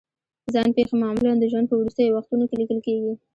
ځان پېښې معمولا د ژوند په وروستیو وختونو کې لیکل کېږي.